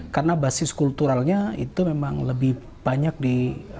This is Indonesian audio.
karena basis kulturalnya itu memang lebih banyak di